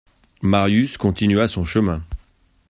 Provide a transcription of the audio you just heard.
Marius continua son chemin.